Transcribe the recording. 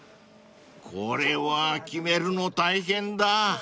［これは決めるの大変だ］